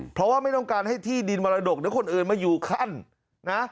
เพราะว่าไม่ต้องการให้ที่ดินมรดกหรือคนอื่นมาอยู่ขั้นนะ